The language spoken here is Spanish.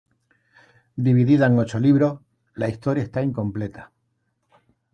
Dividida en ocho libros, la historia está incompleta.